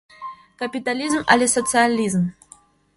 Капитализм але социализм?